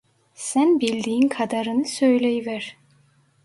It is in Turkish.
Sen bildiğin kadarını söyleyiver!